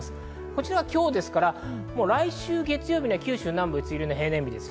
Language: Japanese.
こちらは今日、来週月曜日には九州南部、梅雨入りの平年日です。